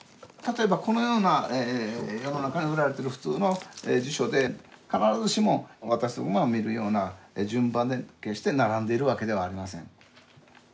例えばこのような世の中に売られている普通の辞書で必ずしも私どもが見るような順番で決して並んでいるわけではありません。